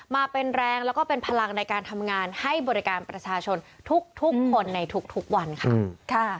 มาเป็นแรงแล้วก็เป็นพลังในการทำงานให้บริการประชาชนทุกคนในทุกวันค่ะ